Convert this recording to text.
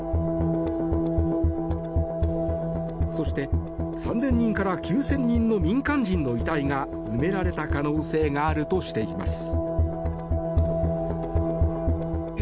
そして、３０００人から９０００人の民間人の遺体が埋められた可能性があるとしています。